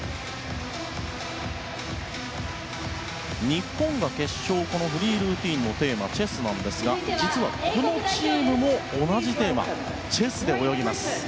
日本が決勝フリールーティンのテーマはチェスなんですが実はこのチームも同じテーマ、チェスで泳ぎます。